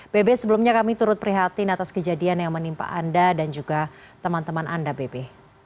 bebe sebelumnya kami turut prihatin atas kejadian yang menimpa anda dan juga teman teman anda bebe